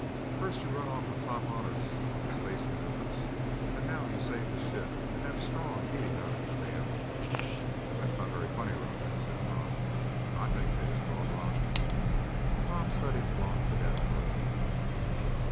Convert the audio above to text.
"First, you run off with top honors on the space maneuvers, and now you save the ship and have Strong eating out of your hand!" "That's not very funny, Roger," said Tom. "I think it is," drawled Roger. Tom studied the blond cadet for a moment.